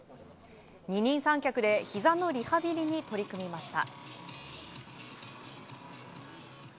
二人三脚で、ひざのリハビリに取り組みました。